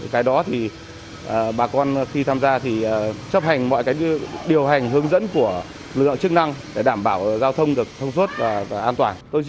cái đó thì bà con khi tham gia thì chấp hành mọi cái điều hành hướng dẫn của lực lượng chức năng để đảm bảo giao thông được thông suốt và an toàn